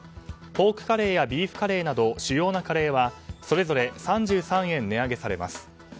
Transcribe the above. ポークカレーやビーフカレーなど主要なカレーはそれぞれ３３円値上げされます。